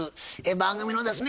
番組のですね